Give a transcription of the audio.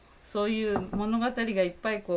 そういう物語がいっぱい